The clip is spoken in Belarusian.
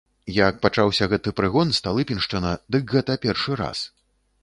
Як пачаўся гэты прыгон, сталыпіншчына, дык гэта першы раз.